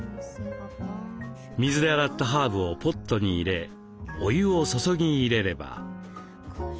水で洗ったハーブをポットに入れお湯を注ぎ入れれば。